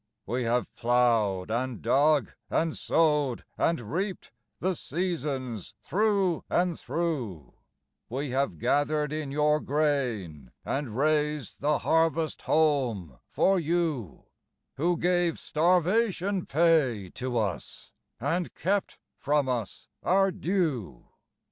We have ploughed and dug and sowed and reaped the seasons through and through, We have gathered in your grain and raised the 'Harvest Home' for you, Who gave starvation pay to us and kept from us our due.